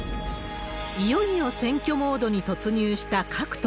いよいよ選挙モードに突入した各党。